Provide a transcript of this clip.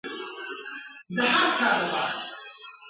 په لاهور کي بیا ټومبلی بیرغ غواړم !.